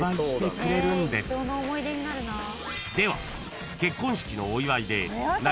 では］